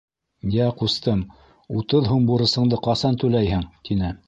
— Йә, ҡустым, утыҙ һум бурысыңды ҡасан түләйһең? — тине.